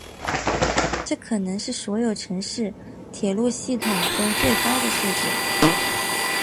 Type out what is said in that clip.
这可能是所有城市铁路系统中的最高数字。